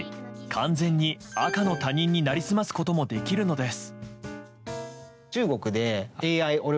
完全に赤の他人に成り済ますこともできるのです。